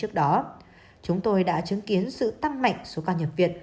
trước đó chúng tôi đã chứng kiến sự tăng mạnh số ca nhập viện